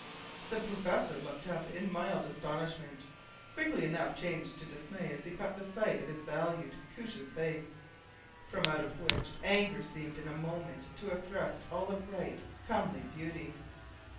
The professor looked up in mild astonishment, quickly enough changed to dismay as he caught sight of his valued Koosje’s face, from out of which anger seemed in a moment to have thrust all the bright, comely beauty.